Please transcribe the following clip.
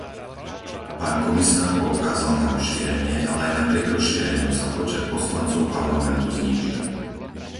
Pán komisár poukázal na rozšírenie, ale aj napriek rozšíreniu sa počet poslancov Parlamentu znížil.